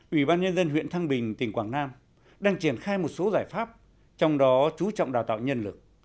ubnd huyện thăng bình tỉnh quảng nam đang triển khai một số giải pháp trong đó chú trọng đào tạo nhân lực